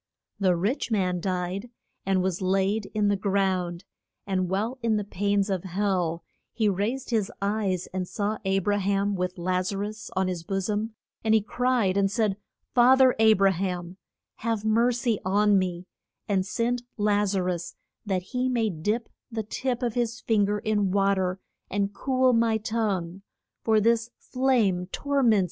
The rich man died and was laid in the ground. And while in the pains of hell he raised his eyes and saw A bra ham with Laz a rus on his bo som, and he cried and said, Fa ther A bra ham, have mer cy on me, and send Laz a rus that he may dip the tip of his fin ger in wa ter and cool my tongue, for this flame tor ments me.